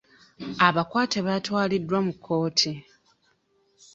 Abakwate baatwaliddwa mu kkooti.